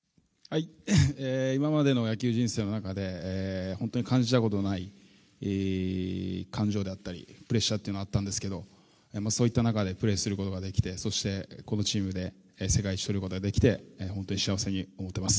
今までの野球人生の中で本当に感じたことのない感情であったりプレッシャーというのはあったんですけどそういった中でプレーすることができてそして、このチームで世界一とることができて本当に幸せに思っています。